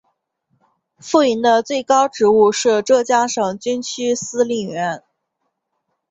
傅怡的最高职务是浙江省军区司令员。